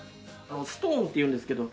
「ストーン」っていうんですけど。